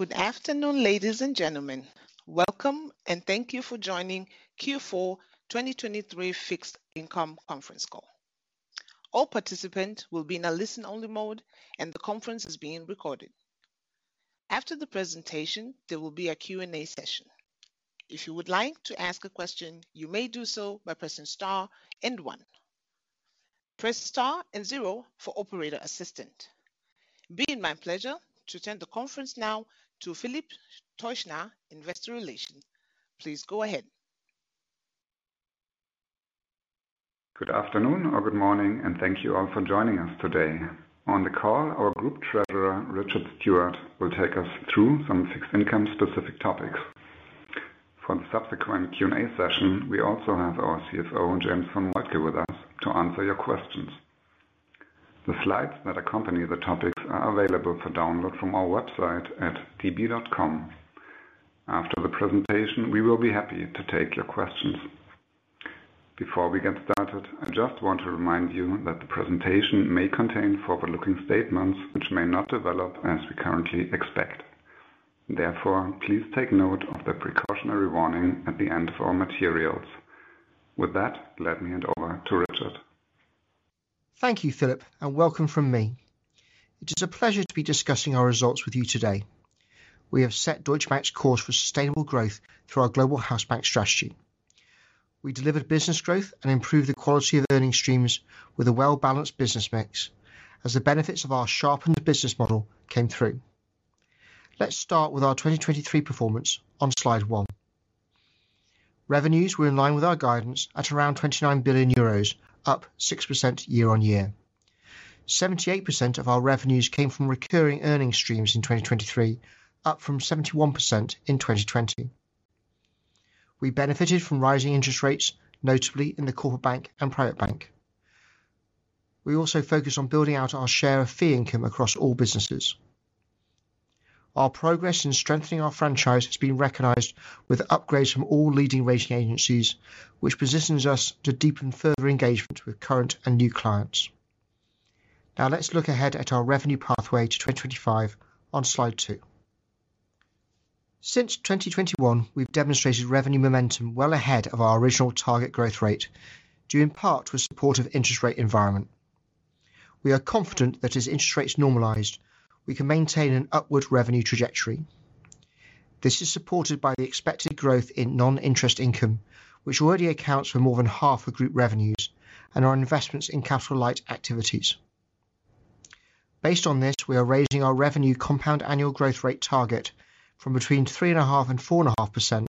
Good afternoon, ladies and gentlemen. Welcome, and thank you for joining Q4 2023 Fixed Income Conference Call. All participants will be in a listen-only mode, and the conference is being recorded. After the presentation, there will be a Q&A session. If you would like to ask a question, you may do so by pressing star and one. Press star and zero for operator assistant. It will be my pleasure to turn the conference now to Philip Teuchner, Investor Relations. Please go ahead. Good afternoon or Good morning, and thank you all for joining us today. On the call, our Group Treasurer, Richard Stewart, will take us through some fixed income-specific topics. For the subsequent Q&A session, we also have our CFO, James von Moltke, with us to answer your questions. The slides that accompany the topics are available for download from our website at db.com. After the presentation, we will be happy to take your questions. Before we get started, I just want to remind you that the presentation may contain forward-looking statements, which may not develop as we currently expect. Therefore, please take note of the precautionary warning at the end of our materials. With that, let me hand over to Richard. Thank you, Philip, and welcome from me. It is a pleasure to be discussing our results with you today. We have set Deutsche Bank's course for sustainable growth through our Global Hausbank strategy. We delivered business growth and improved the quality of earning streams with a well-balanced business mix as the benefits of our sharpened business model came through. Let's start with our 2023 performance on slide 1. Revenues were in line with our guidance at around 29 billion euros, up 6% year-on-year. 78% of our revenues came from recurring earning streams in 2023, up from 71% in 2020. We benefited from rising interest rates, notably in the Corporate Bank and Private Bank. We also focused on building out our share of fee income across all businesses. Our progress in strengthening our franchise has been recognized with upgrades from all leading rating agencies, which positions us to deepen further engagement with current and new clients. Now, let's look ahead at our revenue pathway to 2025 on slide two. Since 2021, we've demonstrated revenue momentum well ahead of our original target growth rate, due in part to a supportive interest rate environment. We are confident that as interest rates normalized, we can maintain an upward revenue trajectory. This is supported by the expected growth in non-interest income, which already accounts for more than half of group revenues and our investments in capital light activities. Based on this, we are raising our revenue compound annual growth rate target from between 3.5% and 4.5%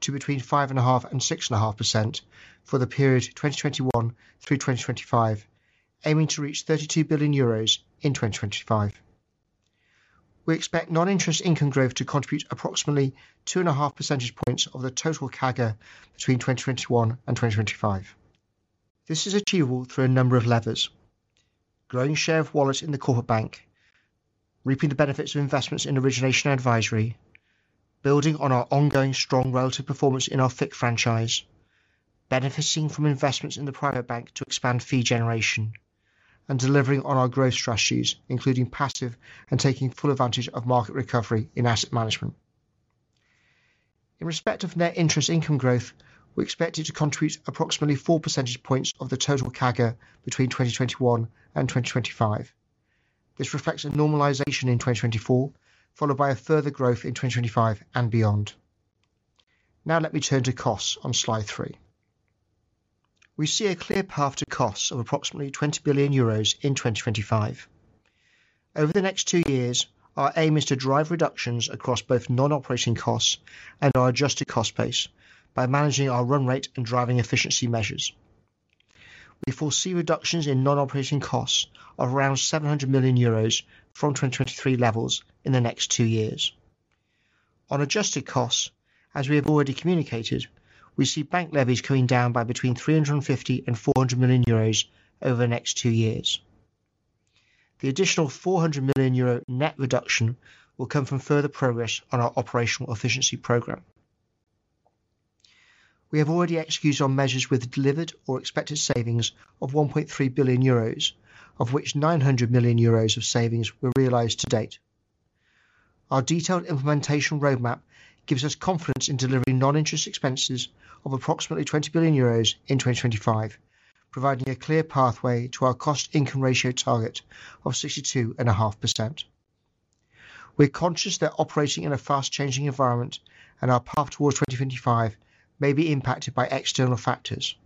to between 5.5% and 6.5% for the period 2021 through 2025, aiming to reach 32 billion euros in 2025. We expect non-interest income growth to contribute approximately 2.5 percentage points of the total CAGR between 2021 and 2025. This is achievable through a number of levers: growing share of wallet in the Corporate Bank, reaping the benefits of investments in origination and advisory, building on our ongoing strong relative performance in our FICC franchise, benefiting from investments in the Private Bank to expand fee generation, and delivering on our growth strategies, including passive and taking full advantage of market recovery in Asset Management. In respect of net interest income growth, we expect it to contribute approximately 4 percentage points of the total CAGR between 2021 and 2025. This reflects a normalization in 2024, followed by a further growth in 2025 and beyond. Now let me turn to costs on slide 3. We see a clear path to costs of approximately 20 billion euros in 2025. Over the next two years, our aim is to drive reductions across both non-operating costs and our adjusted cost base by managing our run rate and driving efficiency measures. We foresee reductions in non-operating costs of around 700 million euros from 2023 levels in the next two years. On adjusted costs, as we have already communicated, we see bank levies coming down by between 350 million and 400 million euros over the next two years. The additional 400 million euro net reduction will come from further progress on our operational efficiency program. We have already executed on measures with delivered or expected savings of 1.3 billion euros, of which 900 million euros of savings were realized to date. Our detailed implementation roadmap gives us confidence in delivering non-interest expenses of approximately 20 billion euros in 2025, providing a clear pathway to our cost-income ratio target of 62.5%. We're conscious that operating in a fast-changing environment and our path towards 2025 may be impacted by external factors.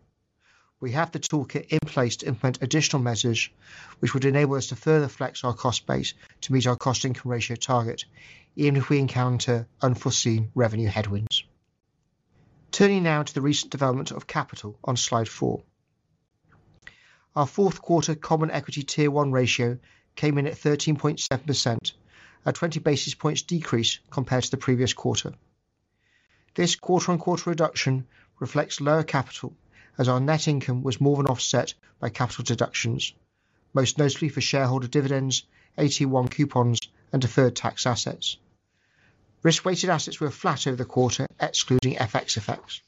We have the toolkit in place to implement additional measures, which would enable us to further flex our cost base to meet our cost-income ratio target, even if we encounter unforeseen revenue headwinds. Turning now to the recent development of capital on slide four. Our fourth quarter Common Equity Tier 1 ratio came in at 13.7%, a 20 basis points decrease compared to the previous quarter. This quarter-on-quarter reduction reflects lower capital, as our net income was more than offset by capital deductions, most notably for shareholder dividends, AT1 coupons, and deferred tax assets. Risk-weighted assets were flat over the quarter, excluding FX effects.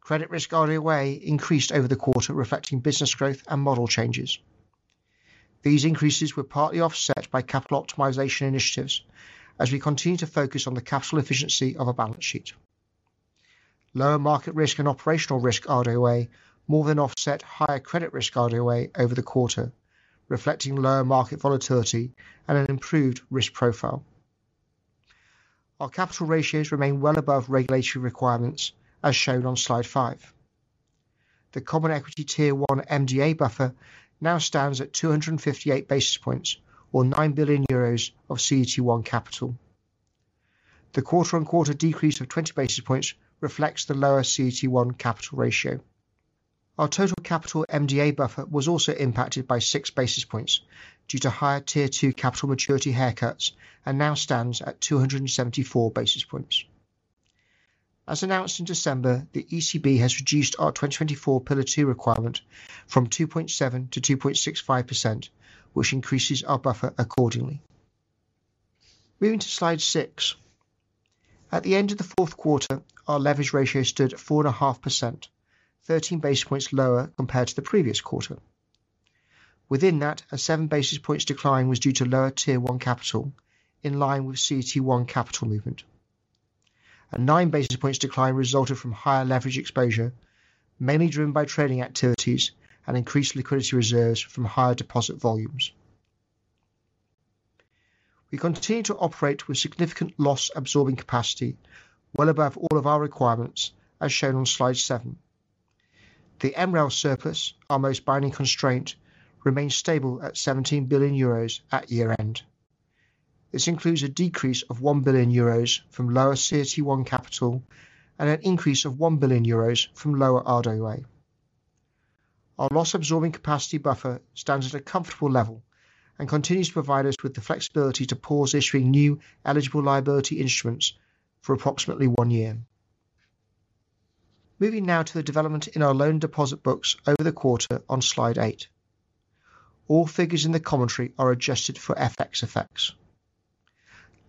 Credit Risk RWA increased over the quarter, reflecting business growth and model changes. These increases were partly offset by capital optimization initiatives, as we continue to focus on the capital efficiency of our balance sheet. Lower Market Risk and Operational Risk RWA more than offset higher Credit Risk RWA over the quarter, reflecting lower market volatility and an improved risk profile. Our capital ratios remain well above regulatory requirements, as shown on Slide 5. The Common Equity Tier 1 MDA buffer now stands at 258 basis points or 9 billion euros of CET1 capital. The quarter-on-quarter decrease of 20 basis points reflects the lower CET1 capital ratio. Our total Capital MDA buffer was also impacted by 6 basis points due to higher Tier 2 capital maturity haircuts, and now stands at 274 basis points. As announced in December, the ECB has reduced our 2024 Pillar two requirement from 2.7% -2.65%, which increases our buffer accordingly. Moving to Slide 6. At the end of the fourth quarter, our leverage ratio stood at 4.5%, 13 basis points lower compared to the previous quarter. Within that a 7 basis points decline was due to lower Tier 1 capital, in line with CET1 capital movement. A 9 basis points decline resulted from higher leverage exposure, mainly driven by trading activities and increased liquidity reserves from higher deposit volumes. We continue to operate with significant loss-absorbing capacity, well above all of our requirements, as shown on Slide 7. The MREL Surplus, our most binding constraint, remained stable at 17 billion euros at year-end. This includes a decrease of 1 billion euros from lower CET1 capital and an increase of 1 billion euros from lower RWA. Our loss-absorbing capacity buffer stands at a comfortable level and continues to provide us with the flexibility to pause issuing new eligible liability instruments for approximately 1 year. Moving now to the development in our loan deposit books over the quarter on Slide 8. All figures in the commentary are adjusted for FX effects.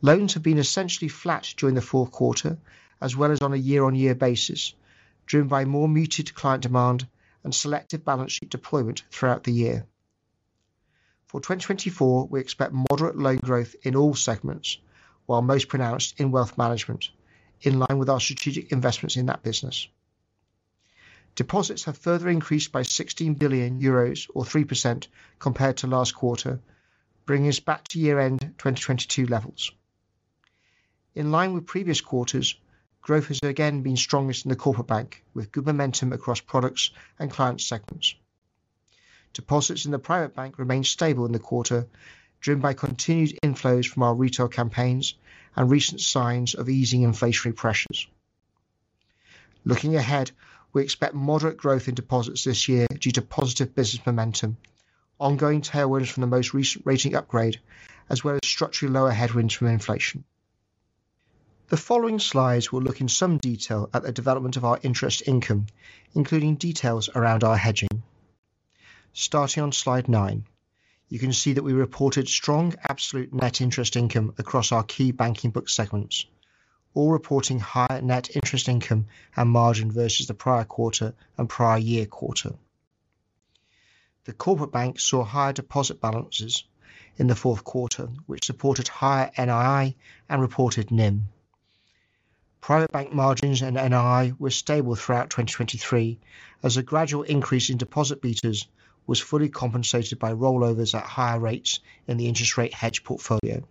Loans have been essentially flat during the fourth quarter, as well as on a year-on-year basis, driven by more muted client demand and selective balance sheet deployment throughout the year. For 2024, we expect moderate loan growth in all segments, while most pronounced in Wealth Management, in line with our strategic investments in that business. Deposits have further increased by 16 billion euros or 3% compared to last quarter, bringing us back to year-end 2022 levels. In line with previous quarters, growth has again been strongest in the Corporate Bank, with good momentum across products and client segments. Deposits in the Private Bank remained stable in the quarter, driven by continued inflows from our retail campaigns and recent signs of easing inflationary pressures. Looking ahead, we expect moderate growth in deposits this year due to positive business momentum, ongoing tailwinds from the most recent rating upgrade, as well as structurally lower headwinds from inflation. The following slides will look in some detail at the development of our interest income, including details around our hedging. Starting on Slide 9, you can see that we reported strong absolute net interest income across our key banking book segments, all reporting higher net interest income and margin versus the prior quarter and prior year quarter. The Corporate Bank saw higher deposit balances in the fourth quarter, which supported higher NII and reported NIM. Private bank margins and NII were stable throughout 2023, as a gradual increase in deposit betas was fully compensated by rollovers at higher rates in the interest rate hedge portfolio.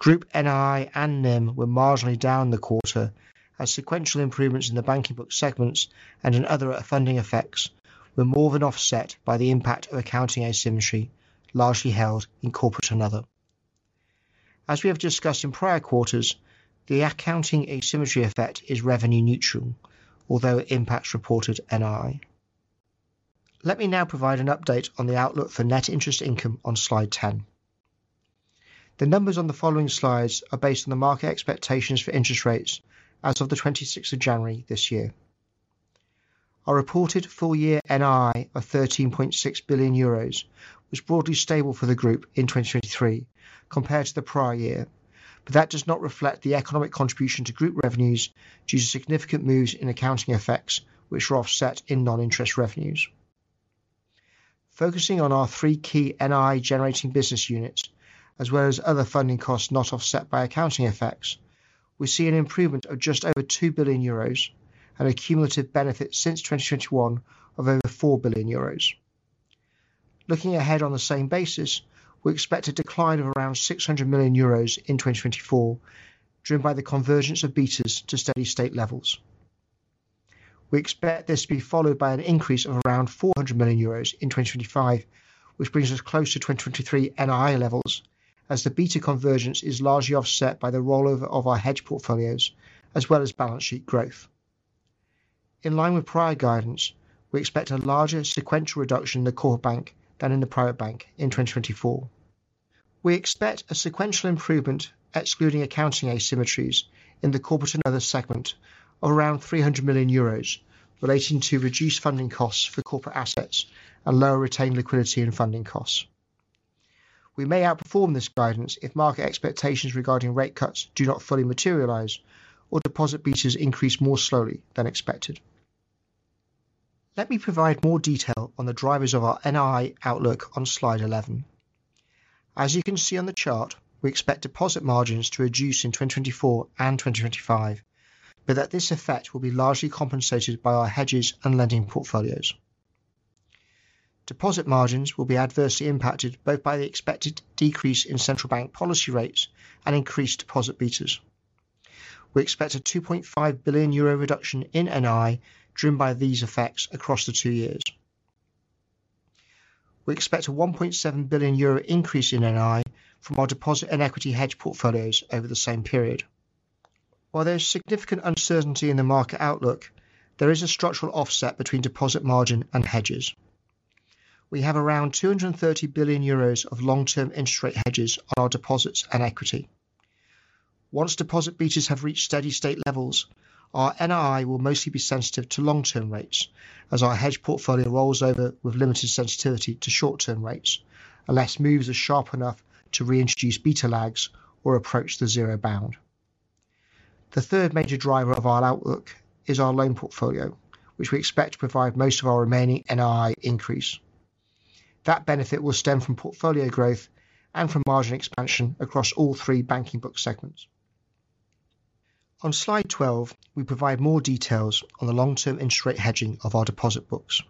Group NII and NIM were marginally down in the quarter, as sequential improvements in the banking book segments and in other funding effects were more than offset by the impact of accounting asymmetry, largely held in Corporate & Other. As we have discussed in prior quarters, the accounting asymmetry effect is revenue neutral, although it impacts reported NII. Let me now provide an update on the outlook for net interest income on Slide 10. The numbers on the following slides are based on the market expectations for interest rates as of the 26th of January this year. Our reported full-year NII of EUR 13.6 billion was broadly stable for the group in 2023 compared to the prior year, but that does not reflect the economic contribution to group revenues due to significant moves in accounting effects, which were offset in non-interest revenues. Focusing on our three key NII-generating business units, as well as other funding costs not offset by accounting effects, we see an improvement of just over 2 billion euros and a cumulative benefit since 2021 of over 4 billion euros. Looking ahead on the same basis, we expect a decline of around 600 million euros in 2024, driven by the convergence of betas to steady-state levels. We expect this to be followed by an increase of around 400 million euros in 2025, which brings us close to 2023 NII levels, as the beta convergence is largely offset by the rollover of our hedge portfolios, as well as balance sheet growth. In line with prior guidance, we expect a larger sequential reduction in the Corporate Bank than in the Private Bank in 2024. We expect a sequential improvement, excluding accounting asymmetries, in the corporate and other segment of around 300 million euros, relating to reduced funding costs for corporate assets and lower retained liquidity and funding costs. We may outperform this guidance if market expectations regarding rate cuts do not fully materialize or deposit betas increase more slowly than expected. Let me provide more detail on the drivers of our NII outlook on slide 11. As you can see on the chart, we expect deposit margins to reduce in 2024 and 2025, but that this effect will be largely compensated by our hedges and lending portfolios. Deposit margins will be adversely impacted both by the expected decrease in central bank policy rates and increased deposit betas. We expect a 2.5 billion euro reduction in NII, driven by these effects across the two years. We expect a 1.7 billion euro increase in NII from our deposit and equity hedge portfolios over the same period. While there's significant uncertainty in the market outlook, there is a structural offset between deposit margin and hedges. We have around 230 billion euros of long-term interest rate hedges on our deposits and equity. Once deposit betas have reached steady state levels, our NII will mostly be sensitive to long-term rates as our hedge portfolio rolls over with limited sensitivity to short-term rates, unless moves are sharp enough to reintroduce beta lags or approach the zero bound. The third major driver of our outlook is our loan portfolio, which we expect to provide most of our remaining NII increase. That benefit will stem from portfolio growth and from margin expansion across all three banking book segments. On Slide 12, we provide more details on the long-term interest rate hedging of our deposit books.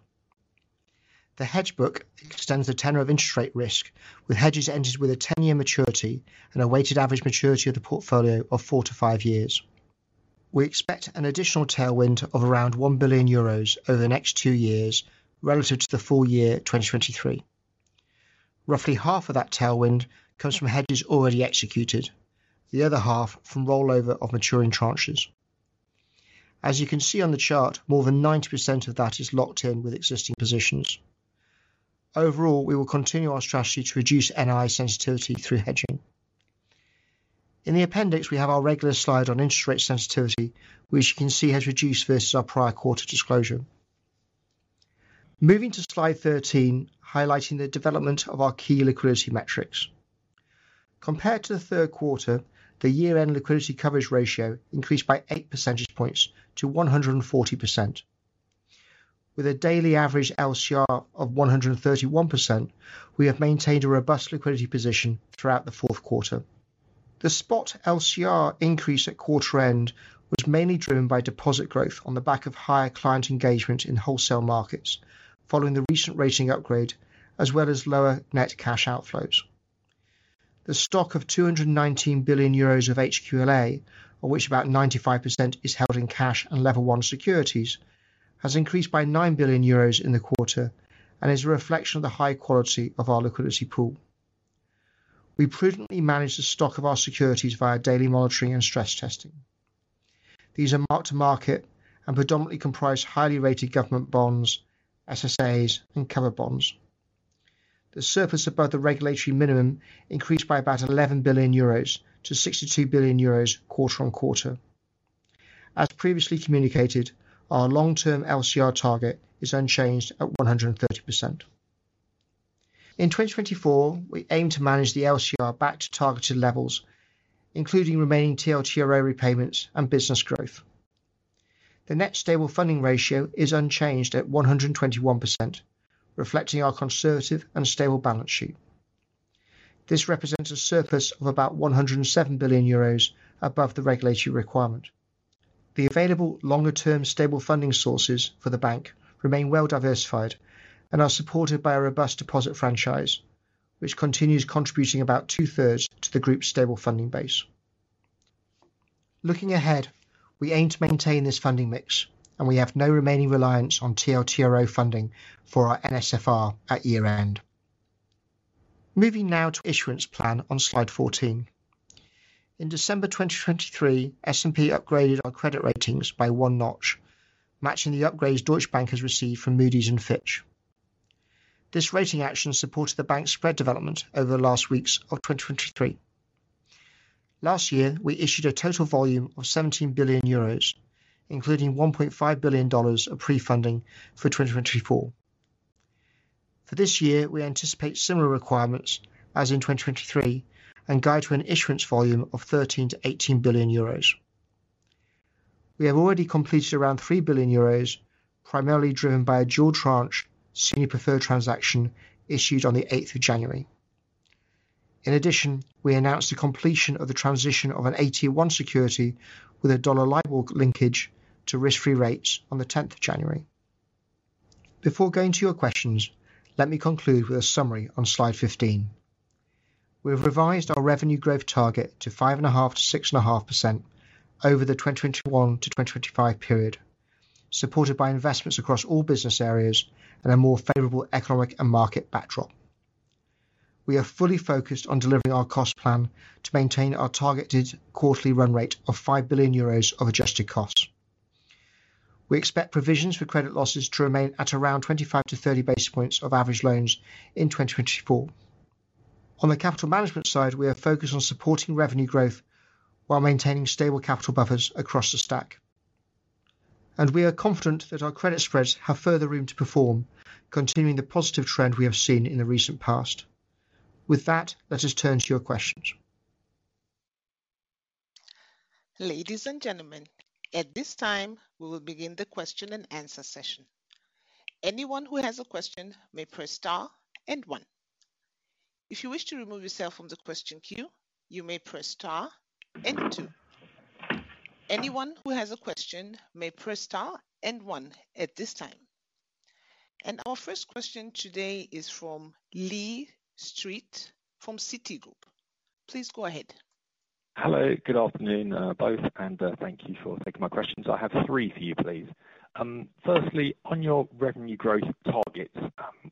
The hedge book extends the tenor of interest rate risk, with hedges entered with a 10-year maturity and a weighted average maturity of the portfolio of four to five years. We expect an additional tailwind of around 1 billion euros over the next two years relative to the full year 2023. Roughly half of that tailwind comes from hedges already executed, the other half from rollover of maturing tranches. As you can see on the chart, more than 90% of that is locked in with existing positions. Overall, we will continue our strategy to reduce NII sensitivity through hedging. In the appendix, we have our regular slide on interest rate sensitivity, which you can see has reduced versus our prior quarter disclosure. Moving to Slide 13, highlighting the development of our key liquidity metrics. Compared to the third quarter, the year-end liquidity coverage ratio increased by 8 percentage points to 140%. With a daily average LCR of 131%, we have maintained a robust liquidity position throughout the fourth quarter. The spot LCR increase at quarter end was mainly driven by deposit growth on the back of higher client engagement in wholesale markets, following the recent rating upgrade, as well as lower net cash outflows. The stock of 219 billion euros of HQLA, of which about 95% is held in cash and Level 1 securities, has increased by 9 billion euros in the quarter and is a reflection of the high quality of our liquidity pool. We prudently manage the stock of our securities via daily monitoring and stress testing. These are mark-to-market and predominantly comprise highly rated government bonds, SSAs, and covered bonds. The surplus above the regulatory minimum increased by about 11 billion euros to 62 billion euros quarter-over-quarter. As previously communicated, our long-term LCR target is unchanged at 130%. In 2024, we aim to manage the LCR back to targeted levels, including remaining TLTRO repayments and business growth. The net stable funding ratio is unchanged at 121%, reflecting our conservative and stable balance sheet. This represents a surplus of about 107 billion euros above the regulatory requirement. The available longer-term stable funding sources for the bank remain well-diversified and are supported by a robust deposit franchise, which continues contributing about two-thirds to the group's stable funding base. Looking ahead, we aim to maintain this funding mix, and we have no remaining reliance on TLTRO funding for our NSFR at year-end. Moving now to issuance plan on Slide 14. In December 2023, S&P upgraded our credit ratings by one notch, matching the upgrades Deutsche Bank has received from Moody's and Fitch. This rating action supported the bank's spread development over the last weeks of 2023. Last year, we issued a total volume of 17 billion euros, including $1.5 billion of pre-funding for 2024. For this year, we anticipate similar requirements as in 2023 and guide to an issuance volume of 13 billion-18 billion euros. We have already completed around 3 billion euros, primarily driven by a dual tranche senior preferred transaction issued on the eight of January. In addition, we announced the completion of the transition of an AT1 security with a dollar-linked linkage to risk-free rates on the tenth of January. Before going to your questions, let me conclude with a summary on Slide 15. We have revised our revenue growth target to 5.5%-6.5% over the 2021-2025 period, supported by investments across all business areas and a more favorable economic and market backdrop. We are fully focused on delivering our cost plan to maintain our targeted quarterly run rate of 5 billion euros of adjusted costs. We expect provisions for credit losses to remain at around 25-30 basis points of average loans in 2024. On the capital management side, we are focused on supporting revenue growth while maintaining stable capital buffers across the stack. .and we are confident that our credit spreads have further room to perform, continuing the positive trend we have seen in the recent past. With that, let us turn to your questions. Ladies and gentlemen, at this time, we will begin the question and answer session. Anyone who has a question may press star and one. If you wish to remove yourself from the question queue, you may press star and two. Anyone who has a question may press star and one at this time. Our first question today is from Lee Street, from Citigroup. Please go ahead. Hello, good afternoon, both, and thank you for taking my questions. I have three for you, please. Firstly, on your revenue growth targets,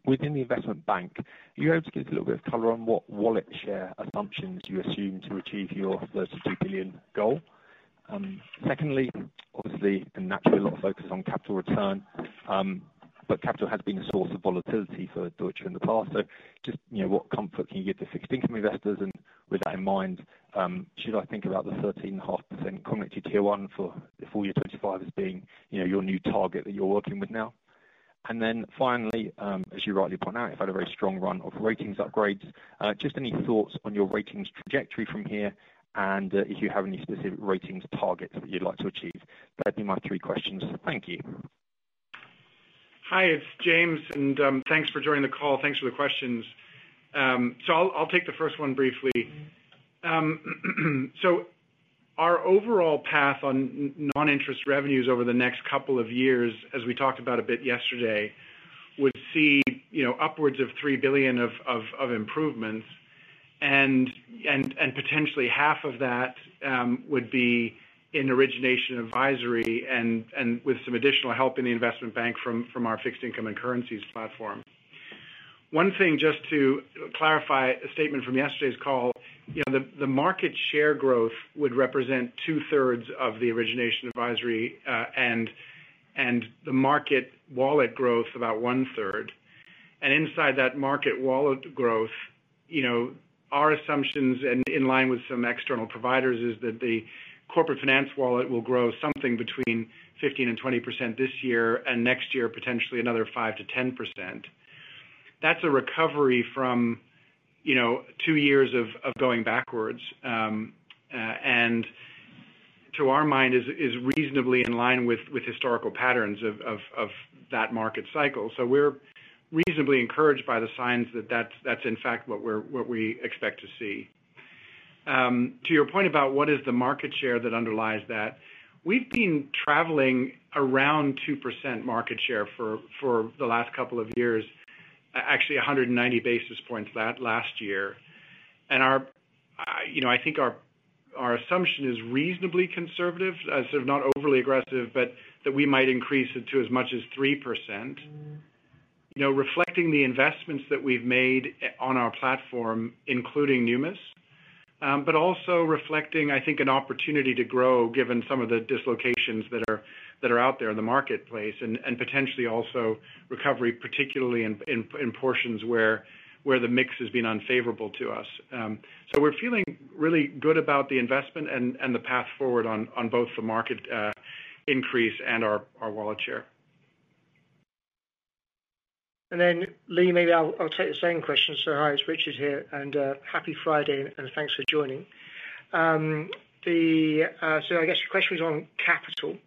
within the Investment Bank, are you able to give us a little bit of color on what wallet share assumptions you assume to achieve your 32 billion goal? Secondly, obviously, naturally a lot of focus on capital return, but capital has been a source of volatility for Deutsche in the past, so just, you know, what comfort can you give to fixed income investors? And with that in mind, should I think about the 13.5% CET1 for the full year 2025 as being, you know, your new target that you're working with now? And then finally, as you rightly point out, you've had a very strong run of ratings upgrades. Just any thoughts on your ratings trajectory from here, and if you have any specific ratings targets that you'd like to achieve? That'd be my three questions. Thank you. Hi, it's James, and thanks for joining the call. Thanks for the questions. So I'll take the first one briefly. So our overall path on non-interest revenues over the next couple of years, as we talked about a bit yesterday, would see, you know, upwards of 3 billion of improvements. And potentially half of that would be in origination advisory and with some additional help in the Investment Bank from our fixed income and currencies platform. One thing just to clarify a statement from yesterday's call, you know, the market share growth would represent 2/3 of the origination advisory, and the market wallet growth, about 1/3. Inside that market wallet growth, you know, our assumptions and in line with some external providers, is that the corporate finance wallet will grow something between 15%-20% this year, and next year, potentially another 5%-10%. That's a recovery from, you know, two years of going backwards. To our mind, is reasonably in line with historical patterns of that market cycle. So we're reasonably encouraged by the signs that that's, that's in fact, what we're-- what we expect to see. To your point about what is the market share that underlies that, we've been traveling around 2% market share for the last couple of years. Actually a hundred and ninety basis points that last year. Our you know, I think our assumption is reasonably conservative, as sort of not overly aggressive, but that we might increase it to as much as 3%. You know, reflecting the investments that we've made on our platform, including Numis, but also reflecting, I think, an opportunity to grow, given some of the dislocations that are out there in the marketplace, and potentially also recovery, particularly in portions where the mix has been unfavorable to us. So we're feeling really good about the investment and the path forward on both the market increase and our wallet share. Lee, maybe I'll take the same question. So hi, it's Richard here, and happy Friday, and thanks for joining. So I guess your question was on capital.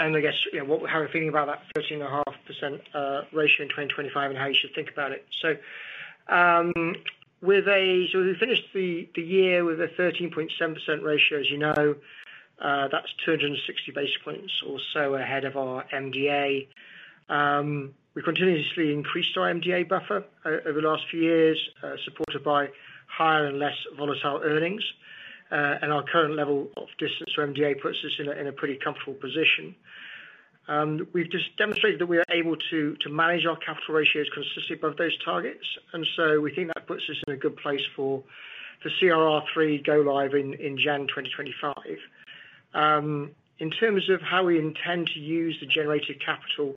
And I guess, you know, what we have a feeling about that 13.5% ratio in 2025, and how you should think about it. So we finished the year with a 13.7% ratio, as you know. That's 260 basis points or so ahead of our MDA. We continuously increased our MDA buffer over the last few years, supported by higher and less volatile earnings. And our current level of distance from MDA puts us in a pretty comfortable position. We've just demonstrated that we are able to manage our capital ratios consistently above those targets, and so we think that puts us in a good place for the CRR3 go live in Jan 2025. In terms of how we intend to use the generated capital,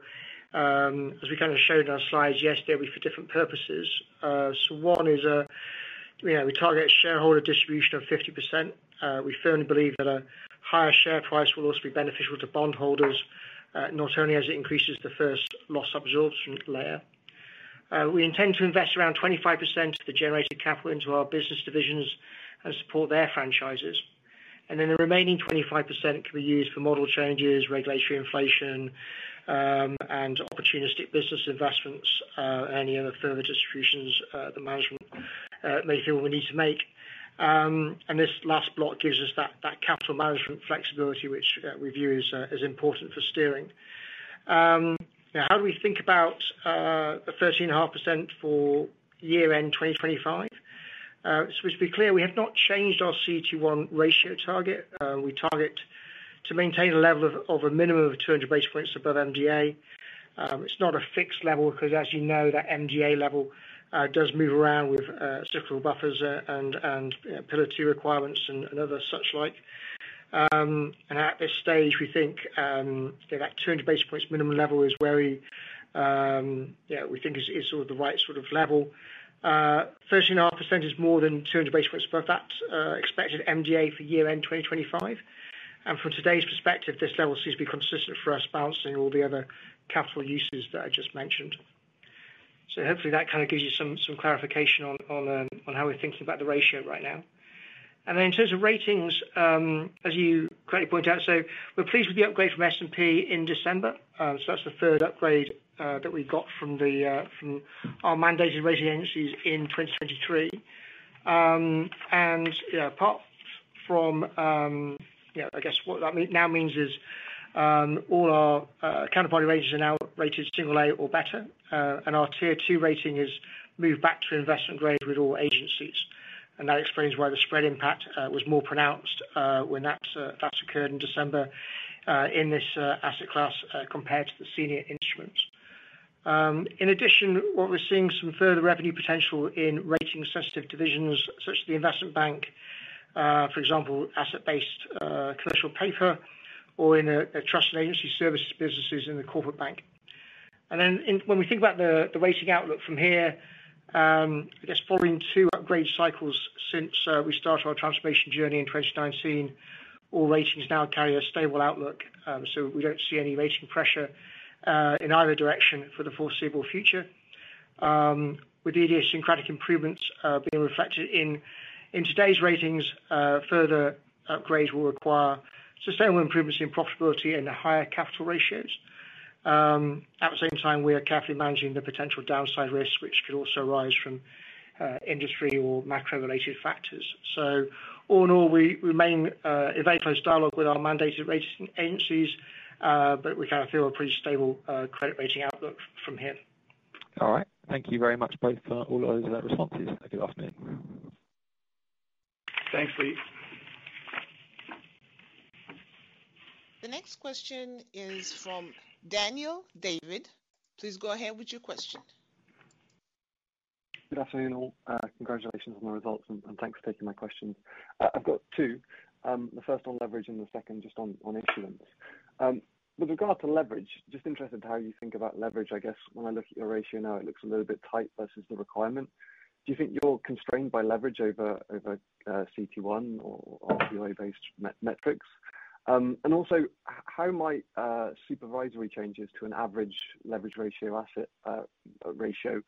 as we kind of showed in our slides yesterday, will be for different purposes. So one is, you know, we target shareholder distribution of 50%. We firmly believe that a higher share price will also be beneficial to bond holders, not only as it increases the first loss absorption layer. We intend to invest around 25% of the generated capital into our business divisions and support their franchises. And then the remaining 25% can be used for model changes, regulatory inflation, and opportunistic business investments, any other further distributions the management may feel we need to make. And this last block gives us that capital management flexibility, which we view as important for steering. Now, how do we think about the 13.5% for year-end 2025? So we should be clear, we have not changed our CET1 ratio target. We target to maintain a level of a minimum of 200 basis points above MDA. It's not a fixed level, because as you know, that MDA level does move around with cyclical buffers, and Pillar Two requirements and other such like. At this stage, we think that 200 basis points minimum level is where we think is sort of the right sort of level. 13.5% is more than 200 basis points above that expected MDA for year-end 2025. And from today's perspective, this level seems to be consistent for us, balancing all the other capital uses that I just mentioned. So hopefully that kind of gives you some clarification on how we're thinking about the ratio right now. And then in terms of ratings, as you correctly pointed out, so we're pleased with the upgrade from S&P in December. So that's the third upgrade that we got from our mandated rating agencies in 2023. And you know, apart from, what that now means is all our counterparty ratings are now rated single-A or better, and our Tier 2 rating is moved back to investment grade with all agencies. And that explains why the spread impact was more pronounced when that's occurred in December in this asset class compared to the senior instruments. In addition, what we're seeing some further revenue potential in rating sensitive divisions such as the Investment Bank, for example, asset-based commercial paper or in a Trust & Agency Services businesses in the Corporate Bank. Then, when we think about the rating outlook from here, I guess following two upgrade cycles since we started our transformation journey in 2019, all ratings now carry a stable outlook, so we don't see any rating pressure in either direction for the foreseeable future. With the idiosyncratic improvements being reflected in today's ratings, further upgrades will require sustainable improvements in profitability and higher capital ratios. At the same time, we are carefully managing the potential downside risks, which could also arise from industry or macro-related factors. So all in all, we remain in very close dialogue with our mandated rating agencies, but we kind of feel a pretty stable credit rating outlook from here. All right. Thank you very much, both, for all those responses. Have a good afternoon. Thanks, Lee. The next question is from Daniel David. Please go ahead with your question. Good afternoon, all. Congratulations on the results, and thanks for taking my questions. I've got two. The first on leverage and the second just on issuance. With regard to leverage, just interested in how you think about leverage. I guess when I look at your ratio now, it looks a little bit tight versus the requirement. Do you think you're constrained by leverage over CET1 or ROA-based metrics? And also, how might supervisory changes to an average leverage ratio asset ratio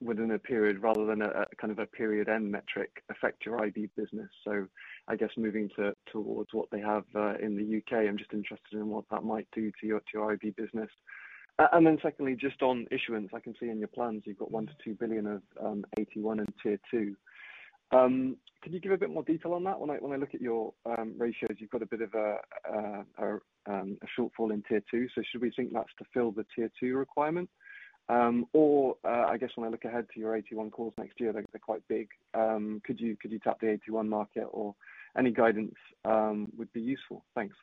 within a period rather than a kind of a period end metric affect your IB business? So I guess moving towards what they have in the UK, I'm just interested in what that might do to your IB business. And then secondly, just on issuance, I can see in your plans you've got 1 billion-2 billion of AT1 and Tier 2. Can you give a bit more detail on that? When I, when I look at your ratios, you've got a bit of a shortfall in Tier 2. So should we think that's to fill the Tier 2 requirement? Or, I guess when I look ahead to your AT1 calls next year, they're quite big. Could you tap the AT1 market or any guidance would be useful? Thanks.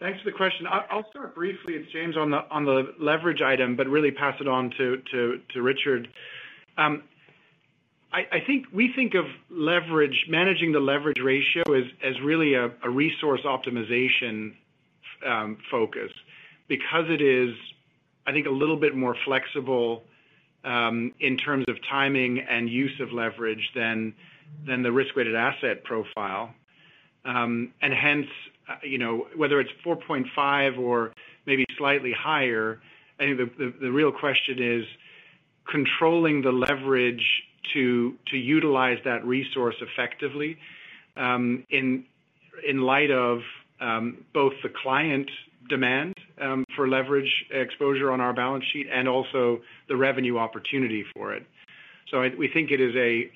Thanks for the question. I'll start briefly with James on the leverage item, but really pass it on to Richard. I think we think of leverage, managing the leverage ratio as really a resource optimization focus because it is, I think, a little bit more flexible in terms of timing and use of leverage than the risk-weighted asset profile. And hence, you know, whether it's 4.5% or maybe slightly higher, I think the real question is controlling the leverage to utilize that resource effectively, in light of both the client demand for leverage exposure on our balance sheet and also the revenue opportunity for it. So we think it is a,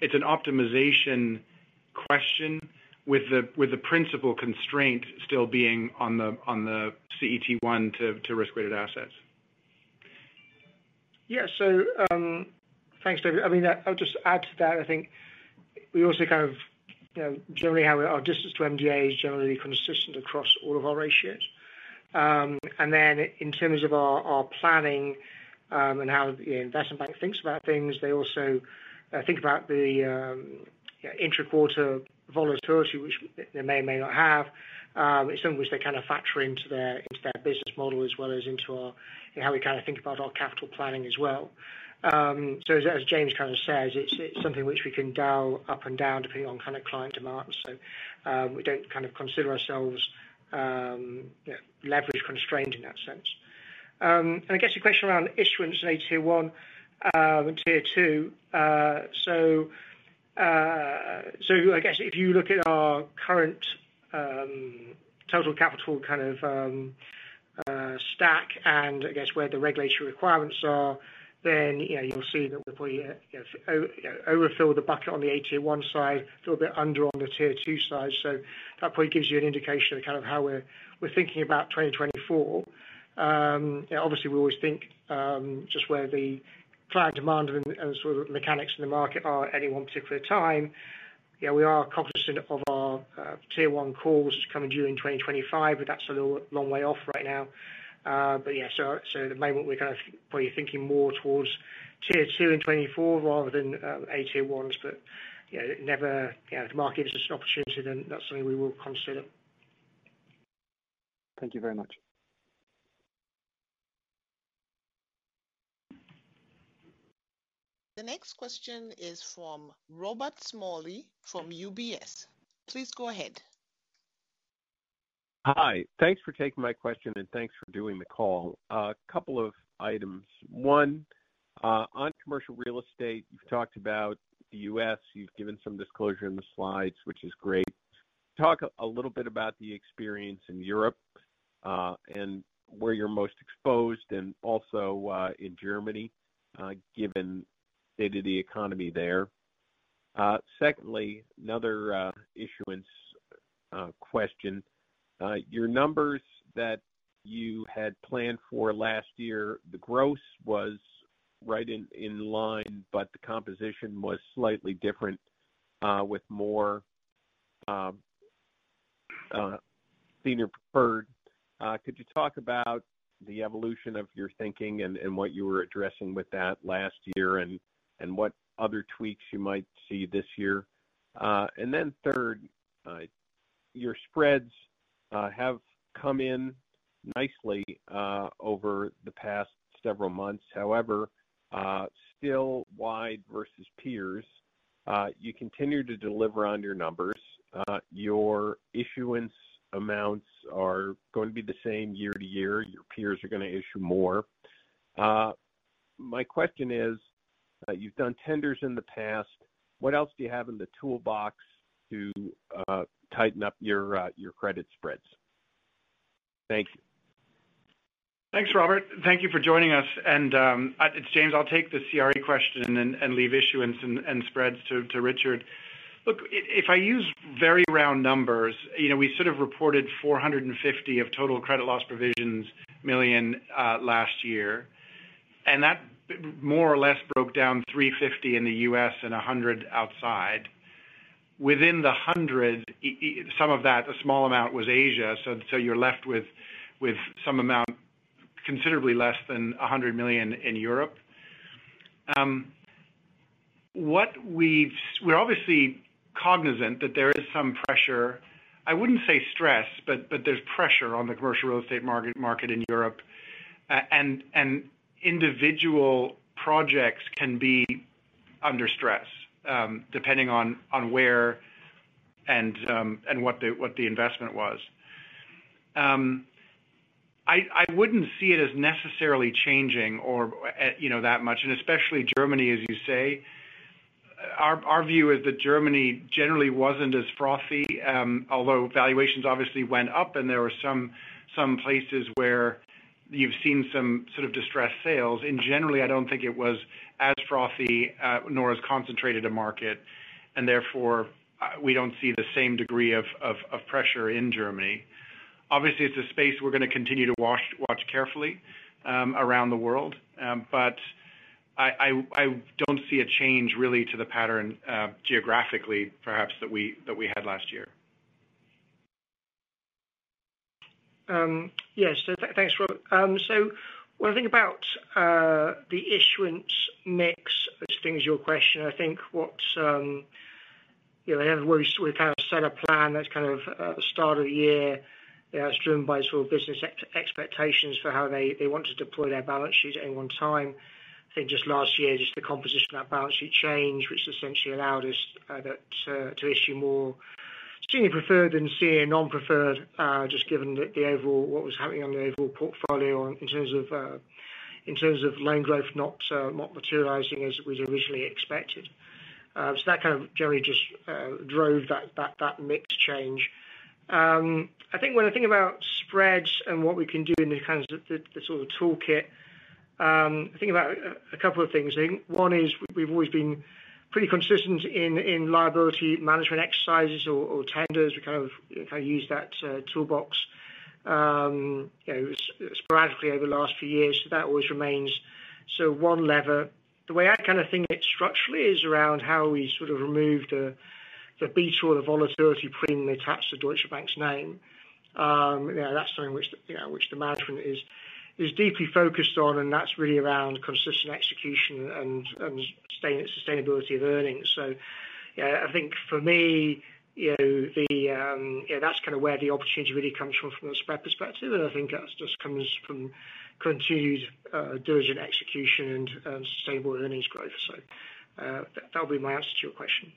it's an optimization question with the principal constraint still being on the CET1 to risk-weighted assets. Yeah. So, thanks, David. I mean, that... I'll just add to that. I think we also kind of, you know, generally how our distance to MDA is generally consistent across all of our ratios. And then in terms of our, our planning, and how the Investment Bank thinks about things, they also, think about the, interquarter volatility, which they may or may not have. In some ways, they kind of factor into their, into their business model, as well as into our, how we kind of think about our capital planning as well. So as, as James kind of says, it's, it's something which we can dial up and down, depending on kind of client demand. So, we don't kind of consider ourselves, you know, leverage constrained in that sense. And I guess your question around issuance and Tier 1, and Tier 2, so I guess if you look at our current total capital kind of stack and I guess where the regulatory requirements are, then, you know, you'll see that we probably, you know, overfill the bucket on the Tier 1 side, feel a bit under on the Tier 2 side. So that probably gives you an indication of kind of how we're thinking about 2024. Yeah, obviously, we always think just where the client demand and sort of mechanics in the market are at any one particular time. You know, we are cognizant of our Tier 1 calls coming due in 2025, but that's a little long way off right now. But yeah, so at the moment, we're kind of probably thinking more towards Tier 2 in 2024 rather than AT1s. But, you know, never yeah, if the market is an opportunity, then that's something we will consider. Thank you very much. The next question is from Robert Smalley from UBS. Please go ahead. Hi. Thanks for taking my question, and thanks for doing the call. A couple of items. One, on commercial real estate, you've talked about the U.S., you've given some disclosure in the slides, which is great. Talk a little bit about the experience in Europe, and where you're most exposed, and also, in Germany, given state of the economy there. Secondly, another, issuance, question. Your numbers that you had planned for last year, the gross was right in line, but the composition was slightly different, with more, senior preferred. Could you talk about the evolution of your thinking and what you were addressing with that last year, and what other tweaks you might see this year? And then third, your spreads have come in nicely, over the past several months. However, still wide versus peers. You continue to deliver on your numbers. Your issuance amounts are going to be the same year-to-year. Your peers are gonna issue more. My question is, you've done tenders in the past, what else do you have in the toolbox to tighten up your, your credit spreads? Thank you. Thanks, Robert. Thank you for joining us. And, it's James. I'll take the CRE question and leave issuance and spreads to Richard. Look, if I use very round numbers, you know, we sort of reported 450 million of total credit loss provisions last year, and that more or less broke down 350 million in the U.S. and 100 million outside. Within the 100 million, some of that, a small amount was Asia, so you're left with some amount considerably less than 100 million in Europe. What we've... We're obviously cognizant that there is some pressure, I wouldn't say stress, but there's pressure on the commercial real estate market in Europe. And individual projects can be under stress, depending on where and what the investment was. I wouldn't see it as necessarily changing or, you know, that much, and especially Germany, as you say. Our view is that Germany generally wasn't as frothy, although valuations obviously went up and there were some places where you've seen some sort of distressed sales. And generally, I don't think it was as frothy, nor as concentrated a market, and therefore, we don't see the same degree of pressure in Germany. Obviously, it's a space we're going to continue to watch carefully, around the world. But I don't see a change really to the pattern, geographically, perhaps that we had last year. Yes, so thanks, Robert. So when I think about the issuance mix, I think is your question, I think what you know, we have, we've kind of set a plan that's kind of the start of the year. Yeah, it's driven by sort of business expectations for how they want to deploy their balance sheet at any one time. I think just last year the composition of that balance sheet changed, which essentially allowed us to issue more senior preferred and senior non-preferred just given that the overall what was happening on the overall portfolio in terms of loan growth not materializing as it was originally expected. So that kind of generally just drove that mix change. I think when I think about spreads and what we can do in the kinds of the sort of toolkit, I think about a couple of things. I think one is we've always been pretty consistent in liability management exercises or tenders. We kind of use that toolbox, you know, sporadically over the last few years. So that always remains. So one lever, the way I kind of think it structurally is around how we sort of remove the badge or the volatility premium attached to Deutsche Bank's name. Yeah, that's something which the management is deeply focused on, and that's really around consistent execution and sustainability of earnings. So, yeah, I think for me, you know, the yeah, that's kind of where the opportunity really comes from, from a spread perspective. And I think that just comes from continued, diligent execution and, sustainable earnings growth. So, that'll be my answer to your question.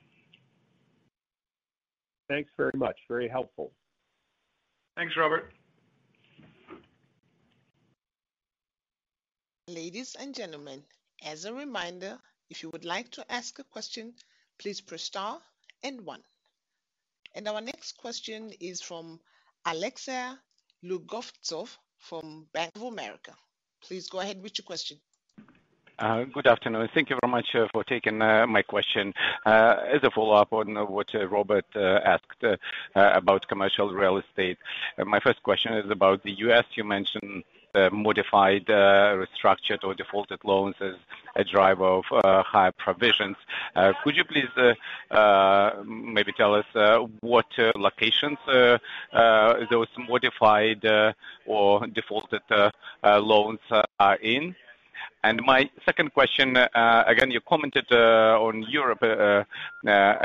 Thanks very much. Very helpful. Thanks, Robert. Ladies and gentlemen, as a reminder, if you would like to ask a question, please press star and one. Our next question is from Alexei Lougovtsov from Bank of America. Please go ahead with your question. Good afternoon. Thank you very much for taking my question. As a follow-up on what Robert asked about commercial real estate. My first question is about the U.S. You mentioned modified restructured or defaulted loans as a driver of higher provisions. Could you please maybe tell us what locations those modified or defaulted loans are in? And my second question, again, you commented on Europe a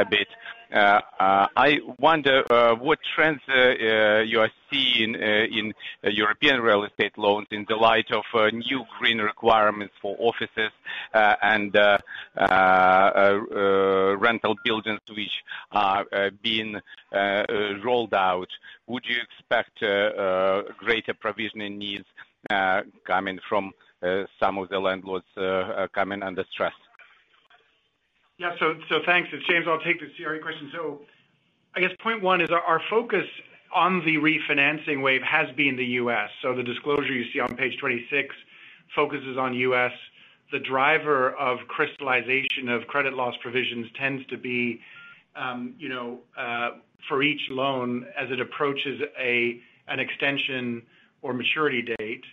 bit. I wonder what trends you are seeing in European real estate loans in the light of new green requirements for offices and rental buildings, which are being rolled out. Would you expect greater provisioning needs coming from some of the landlords coming under stress? Yeah. So, so thanks. It's James. I'll take the CRE question. So I guess point one is our, our focus on the refinancing wave has been the US. So the disclosure you see on page 26 focuses on US. The driver of crystallization of credit loss provisions tends to be, you know, for each loan as it approaches a, an extension or maturity date.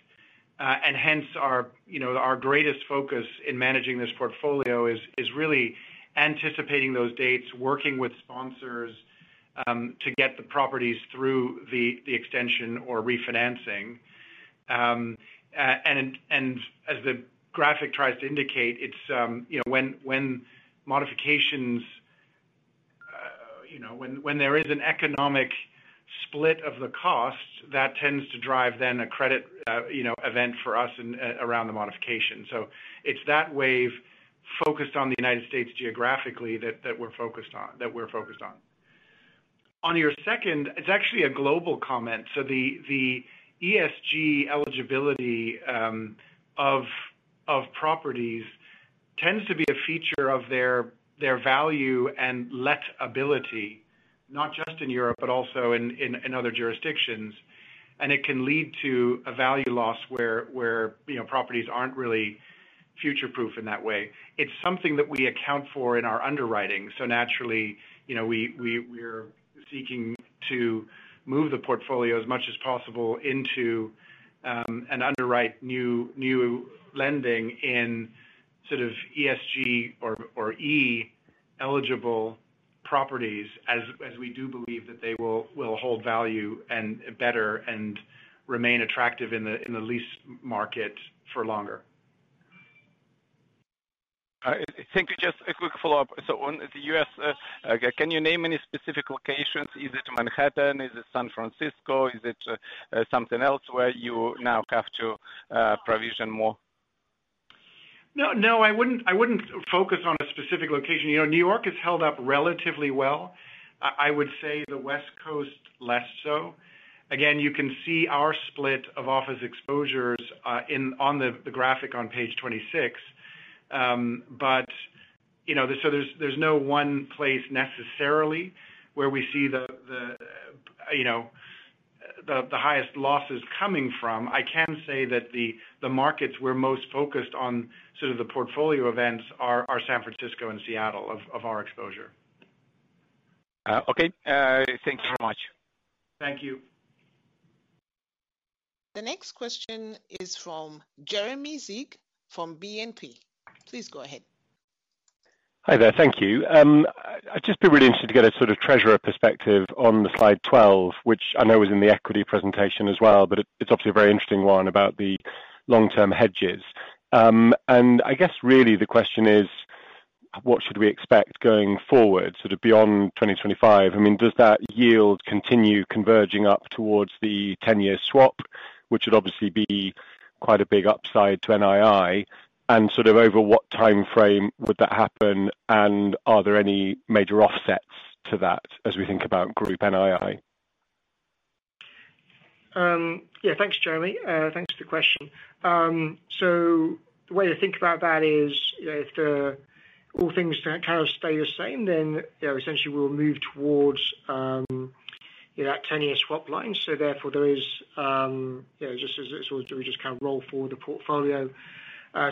And hence our, you know, our greatest focus in managing this portfolio is, is really anticipating those dates, working with sponsors, to get the properties through the, the extension or refinancing. And, and as the graphic tries to indicate, it's, you know, when, when modifications, you know, when, when there is an economic split of the costs, that tends to drive then a credit, you know, event for us in, around the modification. So it's that wave focused on the United States geographically, that, that we're focused on, that we're focused on. On your second, it's actually a global comment. So the ESG eligibility of properties tends to be a feature of their value and lettability, not just in Europe but also in other jurisdictions. And it can lead to a value loss where you know, properties aren't really future-proof in that way. It's something that we account for in our underwriting. So naturally, you know, we're seeking to move the portfolio as much as possible into and underwrite new lending in sort of ESG or ESG-eligible properties, as we do believe that they will hold value better and remain attractive in the lease market for longer. Thank you. Just a quick follow-up. So on the U.S, can you name any specific locations? Is it Manhattan? Is it San Francisco? Is it something else where you now have to provision more? No, no, I wouldn't, I wouldn't focus on a specific location. You know, New York has held up relatively well. I, I would say the West Coast, less so. Again, you can see our split of office exposures in the graphic on page 26. But, you know, so there's, there's no one place necessarily where we see the, the, you know, the, the highest losses coming from. I can say that the, the markets we're most focused on, sort of the portfolio events are, are San Francisco and Seattle, of, of our exposure. Okay. Thank you very much. Thank you. The next question is from Jeremy Sigee from BNP. Please go ahead. Hi there. Thank you. I'd just be really interested to get a sort of treasurer perspective on the slide 12, which I know is in the equity presentation as well, but it, it's obviously a very interesting one about the long-term hedges. And I guess really the question is: What should we expect going forward, sort of beyond 2025? I mean, does that yield continue converging up towards the 10-year swap, which would obviously be quite a big upside to NII? And sort of over what time frame would that happen, and are there any major offsets to that as we think about Group NII? Yeah, thanks, Jeremy. Thanks for the question. So the way to think about that is, you know, if all things kind of stay the same, then, you know, essentially we'll move towards that ten-year swap line. So therefore, there is, you know, just as we just kind of roll forward the portfolio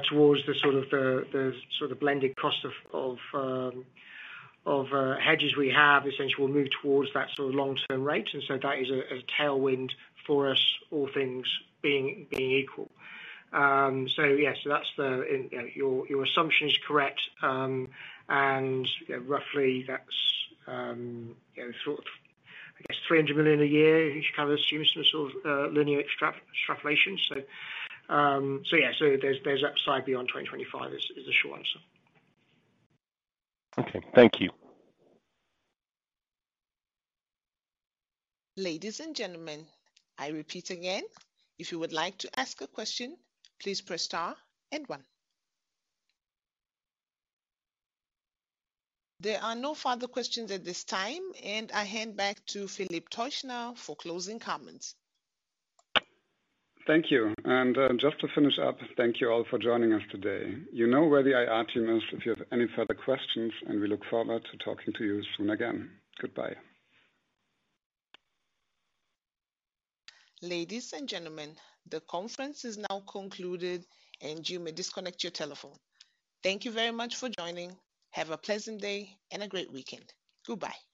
towards the sort of blended cost of hedges we have, essentially, we'll move towards that sort of long-term rate, and so that is a tailwind for us, all things being equal. So yeah, so that's your assumption is correct. And, you know, roughly that's sort of, I guess, 300 million a year, you kind of assume some sort of linear extrapolation. So yeah, there's upside beyond 2025 is the short answer. Okay, thank you. Ladies and gentlemen, I repeat again, if you would like to ask a question, please press star and one. There are no further questions at this time, and I hand back to Philip Teuchner for closing comments. Thank you. And, just to finish up, thank you all for joining us today. You know where the IR team is if you have any further questions, and we look forward to talking to you soon again. Goodbye. Ladies and gentlemen, the conference is now concluded, and you may disconnect your telephone. Thank you very much for joining. Have a pleasant day and a great weekend. Goodbye.